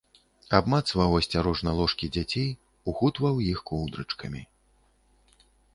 Абмацваў асцярожна ложкі дзяцей, ухутваў іх коўдрачкамі.